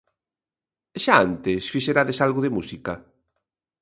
Xa antes fixerades algo de música?